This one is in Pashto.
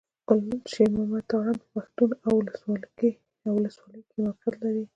کلي شېر محمد تارڼ په پښتون اولسوالۍ کښې موقعيت لري.